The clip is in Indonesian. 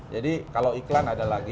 jadi kalau iklan ada lagi